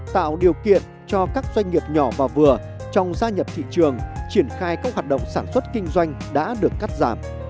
tạo điều kiện cho các doanh nghiệp nhỏ và vừa trong gia nhập thị trường triển khai các hoạt động sản xuất kinh doanh đã được cắt giảm